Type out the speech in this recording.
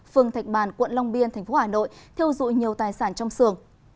phường thạch bàn quận long biên tp hà nội theo dụi nhiều tài sản trong sưởng